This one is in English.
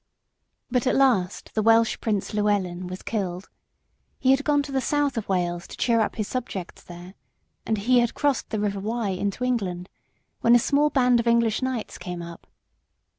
But at last the Welsh Prince Llewellyn was killed. He had gone to the south of Wales to cheer up his subjects there, and he had crossed the river Wye into England, when a small band of English knights came up.